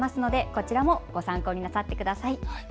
こちらもご参考になさってください。